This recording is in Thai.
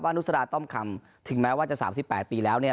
ว่านุษยาต้อมคำถึงแม้ว่าจะสามสิบแปดปีแล้วเนี่ย